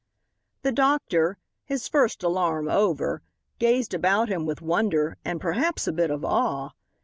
The doctor, his first alarm over, gazed about him with wonder, and perhaps a bit of awe.